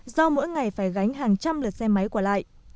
mỗi ngày phải gánh hàng trăm lượt xe máy quả lại